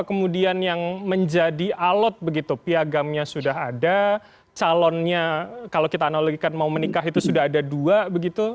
kemudian yang menjadi alat begitu piagamnya sudah ada calonnya kalau kita analogikan mau menikah itu sudah ada dua begitu